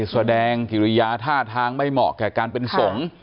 แสดงกิริยาท่าทางไม่เหมาะแก่การเป็นสงฆ์